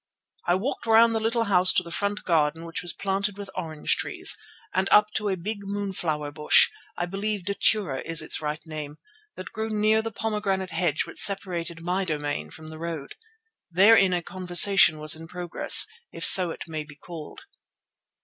I walked round the little house to the front garden which was planted with orange trees, and up to a big moonflower bush, I believe datura is its right name, that grew near the pomegranate hedge which separated my domain from the road. There a conversation was in progress, if so it may be called.